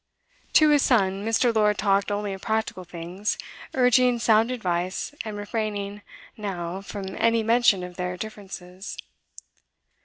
To his son, Mr. Lord talked only of practical things, urging sound advice, and refraining, now, from any mention of their differences.